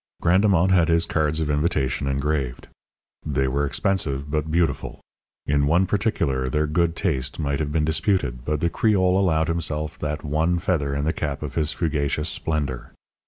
Grandemont had his cards of invitation engraved. They were expensive, but beautiful. In one particular their good taste might have been disputed; but the Creole allowed himself that one feather in the cap of his fugacious splendour.